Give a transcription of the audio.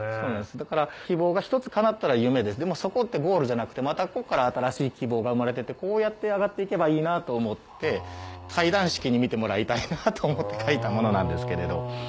だから希望が１つかなったら夢ですでもそこってゴールじゃなくてまたこっから新しい希望が生まれてってこうやって上がっていけばいいなと思って階段式に見てもらいたいなと思って書いたものなんですけれど。